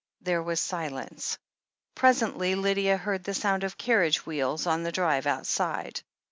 There was silence. Presently Lydia heard the sound of carriage wheels on the drive outside.